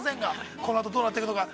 このあと、どうなっていくのか。